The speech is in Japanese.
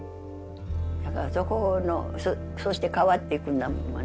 だからそうして変わっていくんだもんね。